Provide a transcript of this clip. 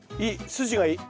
筋がいい。